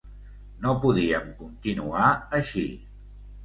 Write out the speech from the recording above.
No podíem continuar així.